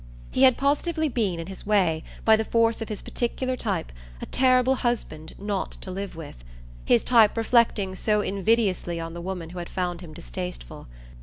He had positively been, in his way, by the force of his particular type, a terrible husband not to live with; his type reflecting so invidiously on the woman who had found him distasteful.